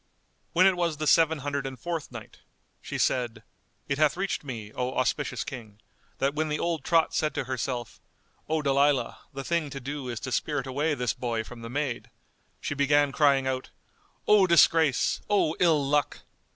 When it was the Seven Hundred and Fourth Night, She said, It hath reached me, O auspicious King, that when the old trot said to herself, "O Dalilah, the thing to do is to spirit away this boy from the maid!" she began crying out, "O disgrace! O ill luck!"